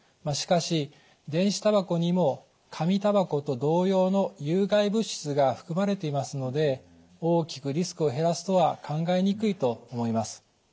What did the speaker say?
しかし電子タバコにも紙タバコと同様の有害物質が含まれていますので大きくリスクを減らすとは考えにくいと思います。